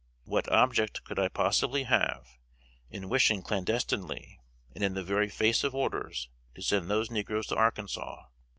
What object could I possibly have in wishing clandestinely, and in the very face of orders, to send those negroes to Arkansas?